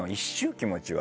気持ちは。